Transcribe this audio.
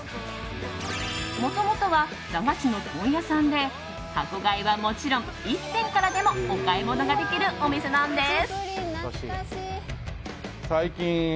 もともとは駄菓子の問屋さんで箱買いはもちろん１点からでもお買い物ができるお店なんです。